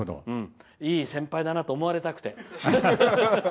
いい先輩だなと思われたくて。